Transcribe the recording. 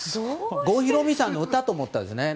郷ひろみさんの歌と思ったんですがね。